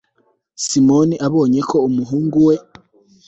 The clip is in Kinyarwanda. simoni abonye ko umuhungu we